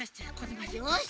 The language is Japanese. よし！